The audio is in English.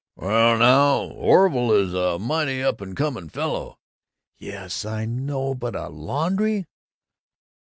"Well now, Orville is a mighty up and coming fellow!" "Yes, I know, but A laundry!"